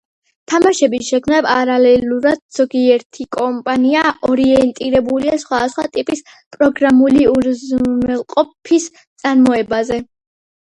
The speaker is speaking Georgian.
თამაშების შექმნის პარალელურად, ზოგიერთი კომპანია ორიენტირებულია სხვადასხვა ტიპის პროგრამული უზრუნველყოფის წარმოებაზე.